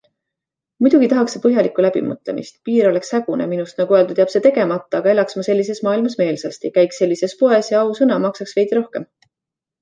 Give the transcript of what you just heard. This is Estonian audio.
Muidugi tahaks see põhjalikku läbimõtlemist, piir oleks hägune, minust, nagu öeldud, jääb see tegemata, aga elaks ma sellises maailmas meelsasti, käiks sellises poes ja, ausõna, maksaks veidi rohkem.